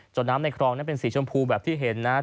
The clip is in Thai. จดน้ำในคลองเป็นสีชมพูแบบที่เห็นนะ